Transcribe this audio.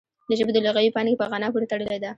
د ژبې د لغوي پانګې په غنا پورې تړلې ده